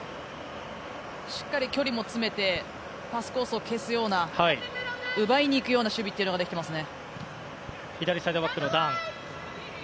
しっかり距離も詰めてパスコースを消すような奪いにいくような守備というのができていますね。